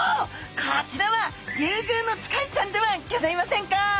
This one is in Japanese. こちらはリュウグウノツカイちゃんではギョざいませんか！